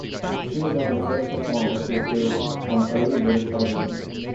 She was one of the first performers to appear on early British television.